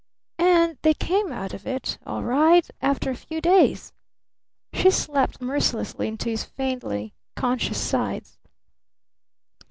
"And they came out of it all right after a few days!" she slapped mercilessly into his faintly conscious sides.